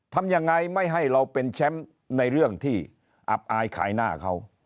ทำยังไงไม่ให้เราเป็นแชมป์ในเรื่องที่อับอายขายหน้าเขา